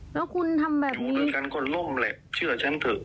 แล้วคุณทำแบบนี้อยู่ด้วยกันก็ล่มแหละเชื่อฉันเถอะ